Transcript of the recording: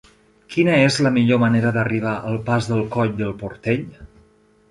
Quina és la millor manera d'arribar al pas del Coll del Portell?